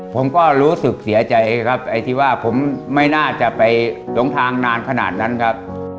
ผมก็รู้สึกเสียใจครับไอ้ที่ว่าผมไม่น่าจะไปหลงทางนานขนาดนั้นครับ